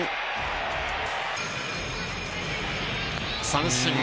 三振。